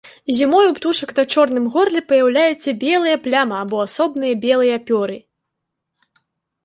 Зімой у птушак на чорным горле паяўляецца белая пляма або асобныя белыя пёры.